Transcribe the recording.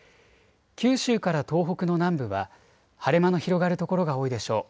九州から東北の南部は晴れ間の広がる所が多いでしょう。